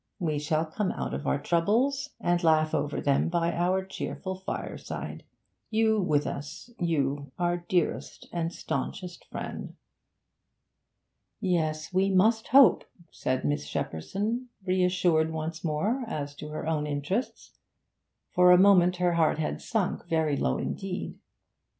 We shall come out of our troubles, and laugh over them by our cheerful fireside you with us you, our dearest and staunchest friend.' 'Yes, we must hope,' said Miss Shepperson, reassured once more as to her own interests; for a moment her heart had sunk very low indeed.